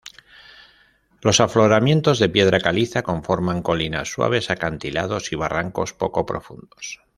Los afloramientos de piedra caliza conforman colinas suaves, acantilados y barrancos poco profundos.